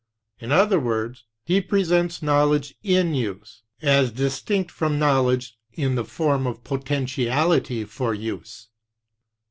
In other words, he presents knowledge in use, as distinct from knowledge in the form of potentiality for use.